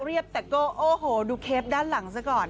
แต่ก็โอ้โหดูเคปด้านหลังซะก่อน